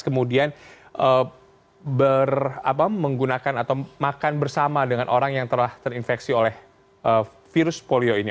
kemudian menggunakan atau makan bersama dengan orang yang telah terinfeksi oleh virus polio ini